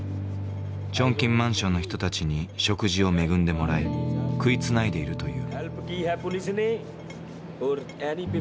チョンキンマンションの人たちに食事を恵んでもらい食いつないでいるという。